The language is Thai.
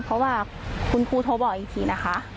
เพราะว่าคุณครูโทรบอกอีกทีนะคะ